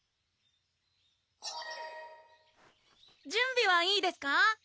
準備はいいですか？